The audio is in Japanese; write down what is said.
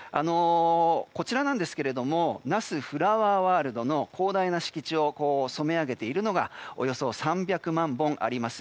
こちら、那須フラワーワールドの広大な敷地を染め上げているのがおよそ３００万本あります